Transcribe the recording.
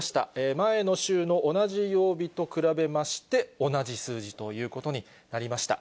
前の週の同じ曜日と比べまして、同じ数字ということになりました。